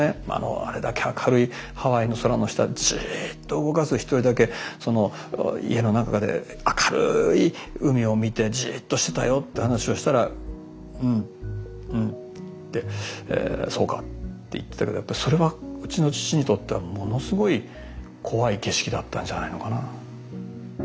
あれだけ明るいハワイの空の下でじっと動かず一人だけ家の中で明るい海を見てじっとしてたよって話をしたら「うんうん」って「そうか」って言ってたけどそれはうちの父にとってはものすごい怖い景色だったんじゃないのかな。